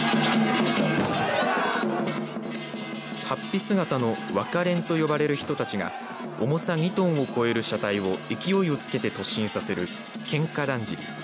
はっぴ姿の若連と呼ばれる人たちが重さ２トンを超える車体を勢いをつけて突進させる喧嘩だんじり。